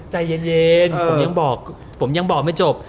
ใจเย็นผมยังบอกไม่จบ